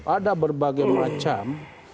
ada berbagai macam